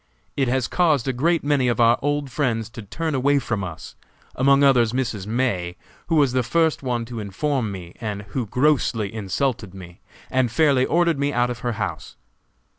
It has caused a great many of our old friends to turn away from us, among others Mrs. May, who was the first one to inform me, and who grossly insulted me and fairly ordered me out of her house.